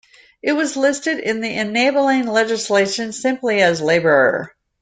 It was listed in the enabling legislation simply as "Labour".